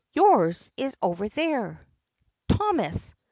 Yours is over there." "Thomas!"